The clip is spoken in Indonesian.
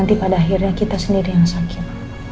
nanti pada akhirnya kita sendiri yang sakit